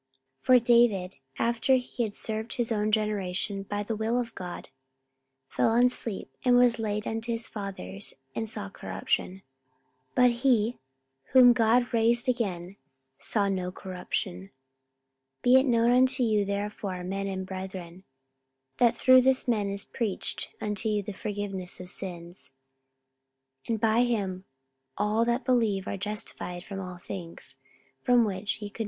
44:013:036 For David, after he had served his own generation by the will of God, fell on sleep, and was laid unto his fathers, and saw corruption: 44:013:037 But he, whom God raised again, saw no corruption. 44:013:038 Be it known unto you therefore, men and brethren, that through this man is preached unto you the forgiveness of sins: 44:013:039 And by him all that believe are justified from all things, from which ye could not be justified by the law of Moses.